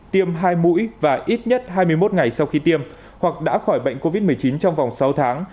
tiêm hai mũi và ít nhất hai mươi một ngày sau khi tiêm hoặc đã khỏi bệnh covid một mươi chín trong vòng sáu tháng